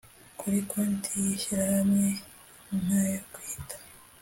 kuri konti y ishyirahamwe nk ayo kwita